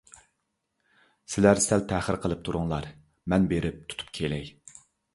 سىلەر سەل تەخىر قىلىپ تۇرۇڭلار، مەن بېرىپ تۇتۇپ كېلەي.